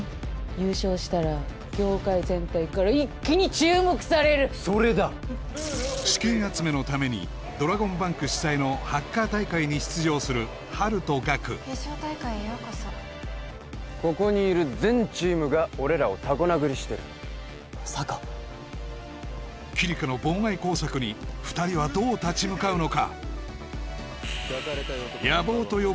優勝したら業界全体から一気に注目されるそれだ資金集めのためにするハルとガク決勝大会へようこそここにいる全チームが俺らをタコ殴りしてるまさかキリカの妨害工作に２人はどう立ち向かうのか？